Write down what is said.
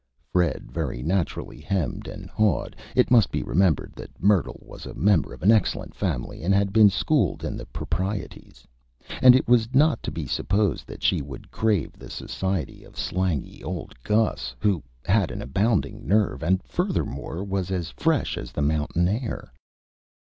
Fred very naturally Hemmed and Hawed. It must be remembered that Myrtle was a member of an Excellent Family, and had been schooled in the Proprieties, and it was not to be supposed that she would crave the Society of slangy old Gus, who had an abounding Nerve, and furthermore was as Fresh as the Mountain Air.